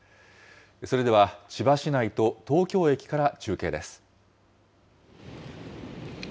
それでは、千葉市内と東京駅から中継です。